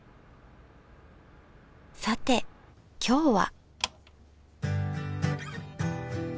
さて今日は？